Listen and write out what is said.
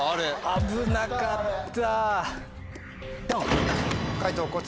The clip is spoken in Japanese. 危なかった。